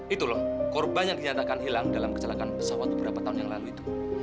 itu loh korban yang dinyatakan hilang dalam kecelakaan pesawat beberapa tahun yang lalu itu